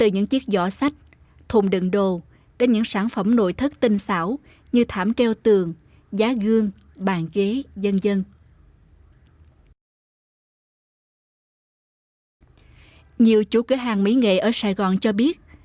nhiều chủ cửa hàng mỹ nghệ ở sài gòn cho biết